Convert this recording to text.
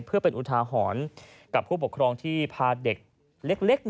เพื่อเป็นอุทาหรณ์กับผู้ปกครองที่พาเด็กเล็ก